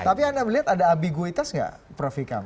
tapi anda melihat ada ambiguitas gak prof vika